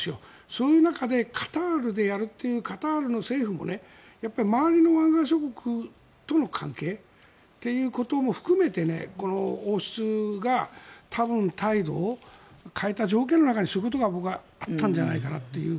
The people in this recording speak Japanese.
そういう中でカタールでやるというカタールの政府もやっぱり周りの湾岸諸国との関係ということも含めて王室が多分態度を変えた条件の中にそういうことがあったんじゃないかなと。